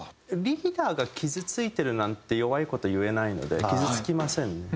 リーダーが「傷ついてる」なんて弱い事言えないので傷つきませんね。